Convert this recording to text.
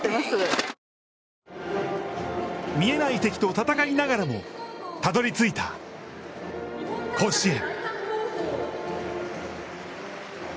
見えない敵と戦いながらもたどり着いた甲子園。